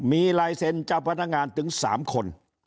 มีลายเซ็นต์เจ้าพนักงานถึง๓คน